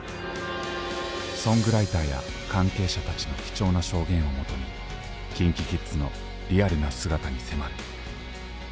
ソングライターや関係者たちの貴重な証言をもとにＫｉｎＫｉＫｉｄｓのリアルな姿に迫る。